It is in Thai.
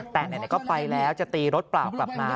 แต่ไหนก็ไปแล้วจะตีรถเปล่ากลับมา